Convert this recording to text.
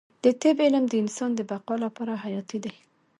د طب علم د انسان د بقا لپاره حیاتي دی